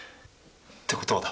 って事はだ